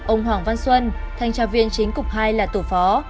ông hoàng văn xuân là tổ phó